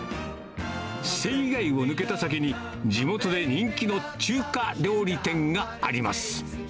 繊維街を抜けた先に、地元で人気の中華料理店があります。